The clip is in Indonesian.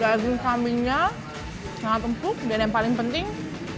daging kambingnya sangat empuk dan yang paling penting